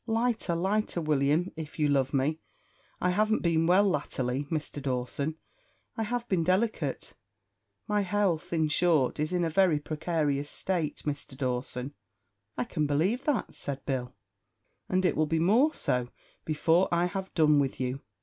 "Lighter, lighter, William, if you love me. I haven't been well latterly, Mr. Dawson I have been delicate my health, in short, is in a very precarious state, Mr. Dawson." "I can believe that," said Bill, "and it will be more so before I have done with you.